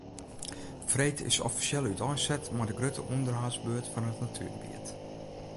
Freed is offisjeel úteinset mei de grutte ûnderhâldsbeurt fan it natuergebiet.